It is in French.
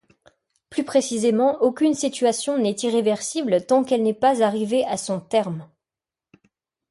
Plus précisément, aucune situation n'est irréversible tant qu'elle n'est pas arrivée à son terme.